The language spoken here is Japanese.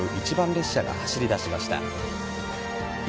列車が走り出しました。